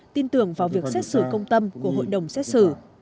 tin tưởng vào việc xét xử công tâm của hội đồng xét xử